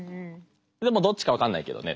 でもどっちか分かんないけどね。